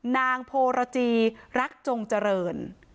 นางโพรจีรักจงเจริญ